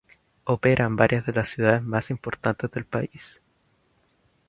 Opera en varias de las ciudades más importantes del país.